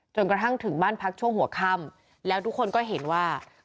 จนกระทั่งถึงบ้านพักช่วงหัวค่ำ